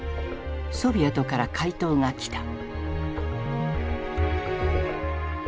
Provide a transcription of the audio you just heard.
ソビエトから回答が来た。